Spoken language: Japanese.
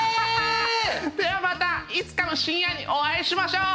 ではまたいつかの深夜にお会いしましょう。